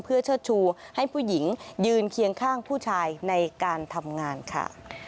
เพื่อเชิดชูให้ผู้หญิงยืนเคียงข้างผู้ชายในการทำงานค่ะ